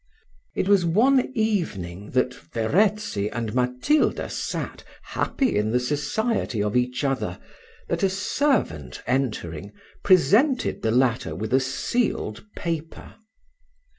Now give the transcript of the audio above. It was one evening that Verezzi and Matilda sat, happy in the society of each other, that a servant entering, presented the latter with a sealed paper.